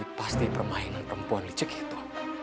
ini pasti permainan perempuan dicek itu